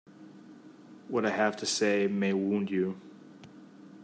What I have to say may wound you.